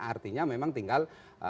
artinya memang tinggal